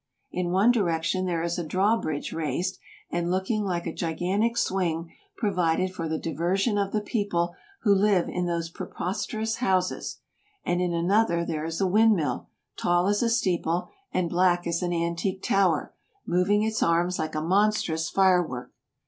In one direction there is a draw bridge raised, and looking like a gigantic swing provided for the diversion of the people who live in those preposterous houses ; and in another there is a wind mill, tall as a steeple and black as an antique tower, moving its arms like a monstrous fire work.